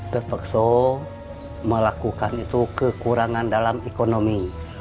terpaksa melakukan itu kekurangan dalam ekonomi